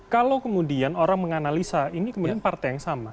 kalau kemudian orang menganalisa ini kemudian partai yang sama